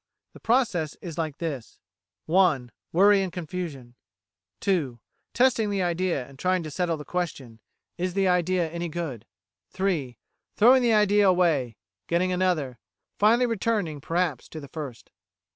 The process is like this: "(1) Worry and confusion. "(2) Testing the idea, and trying to settle the question. Is the idea any good? "(3) Throwing the idea away; getting another; finally returning, perhaps, to the first.